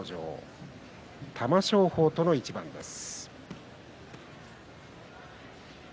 今日は玉正鳳との一番です。